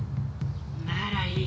ならいい。